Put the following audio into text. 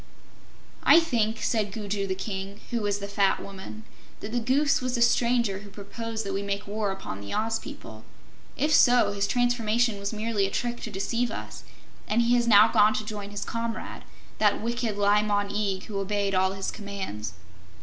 "I think," said Gugu the King, who was the fat Woman, "that the Goose was the stranger who proposed that we make war upon the Oz people. If so, his transformation was merely a trick to deceive us, and he has now gone to join his comrade, that wicked Li Mon Eag who obeyed all his commands."